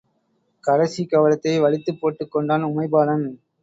கடைசிக் கவளத்தை வழித்துப்போட்டுக் கொண்டான் உமைபாலன்.